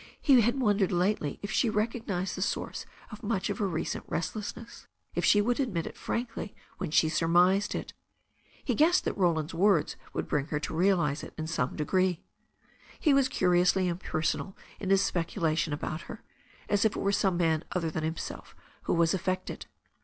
He had wondered lately if she recognized the source of much of her recent restless ness, if she would admit it frankly when she surmised it He guessed that Roland's words would bring her to realize it in some degree. He was curiously impersonal in his speculation about her, as if it were some man other than himself who was affected.